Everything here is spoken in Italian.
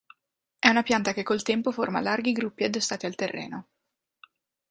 È una pianta che col tempo forma larghi gruppi addossati al terreno.